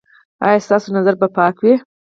ایا ستاسو نظر به پاک وي؟